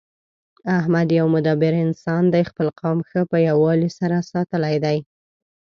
احمد یو مدبر انسان دی. خپل قوم ښه په یووالي سره ساتلی دی